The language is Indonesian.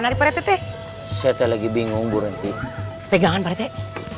kalau saya bisa selamatkan paretek